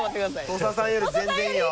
土佐さんより全然いいよ。